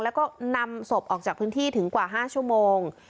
แล้วก็นำศพออกจากพื้นที่ถึงกว่า๕ชั่วโมง